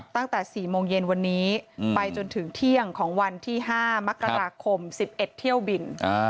ตั้งแต่๔โมงเย็นวันนี้ไปจนถึงเที่ยงของวันที่๕มกราคม๑๑เที่ยวบิน